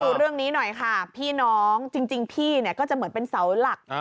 ดูเรื่องนี้หน่อยค่ะพี่น้องจริงพี่เนี่ยก็จะเหมือนเป็นเสาหลัก